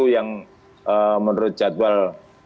yang menurut jadwal